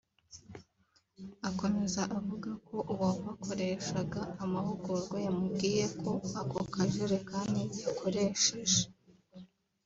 Akomeza avuga ko uwabakoreshaga amahugurwa yamubwiye ko ako kajerekani yakoresheje